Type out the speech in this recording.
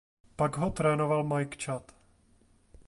Pak ho trénoval Mike Chat.